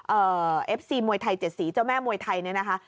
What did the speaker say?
เอฟซีมวยไทยเจ็ดสีเจ้าแม่มวยไทยเนี่ยนะคะ